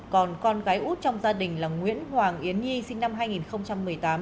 còn con gái út trong gia đình là nguyễn hoàng yến nhi sinh năm hai nghìn một mươi tám